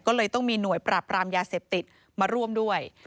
ก็เลยต้องมีหน่วยปราบรามยาเสพติดมาร่วมด้วย